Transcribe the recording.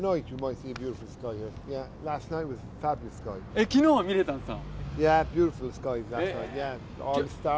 えっ昨日は見れたんですか？